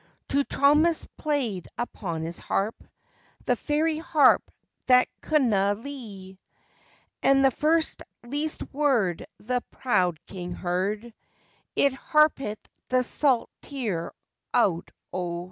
True Thomas played upon his harp, The fairy harp that couldna' lee, And the first least word the proud King heard, It harpit the salt tear out o' his ee.